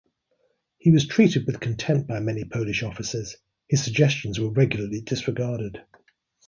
He was treated with contempt by many Polish officers, his suggestions were regularly disregarded.